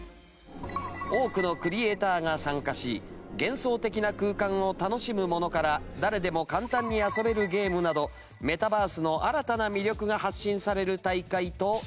多くのクリエーターが参加し幻想的な空間を楽しむものから誰でも簡単に遊べるゲームなどメタバースの新たな魅力が発信される大会となりました。